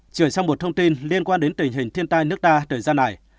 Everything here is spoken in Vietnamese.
chuyển sang một thông tin liên quan đến tình hình thiên tai nước đa thời gian này